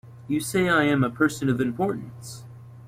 You say I am a person of importance.